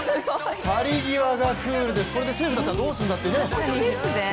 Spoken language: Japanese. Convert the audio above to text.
去り際がクールです、これでセーフだったらどうするんだという。